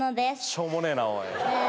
しょうもねえなおい。